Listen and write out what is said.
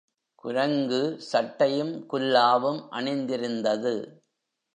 குரங்கு, சட் டையும் குல்லாவும் அணிந்திருந்தது.